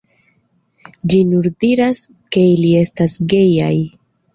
Ĝi nur diras, ke ili estas gejaj.